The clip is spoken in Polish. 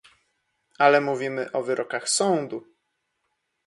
Ale mówimy o wyrokach sądu